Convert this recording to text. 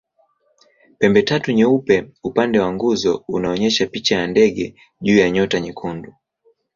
Pembetatu nyeupe upande wa nguzo unaonyesha picha ya ndege juu ya nyota nyekundu.